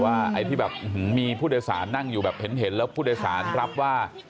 ไอ้ที่แบบมีผู้โดยสารนั่งอยู่แบบเห็นแล้วผู้โดยสารรับว่า